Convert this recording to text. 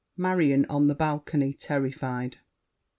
MARION. (on the balcony, terrified).